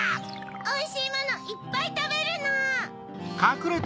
おいしいものいっぱいたべるの！